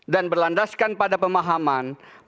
dan berlandaskan pada pemahaman bahwa soal kecantikan